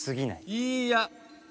いいや！